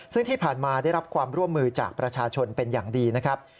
ซึ่งที่ผ่านมาได้รับความร่วมมือจากประชาชนเป็นอย่างดีนะครับ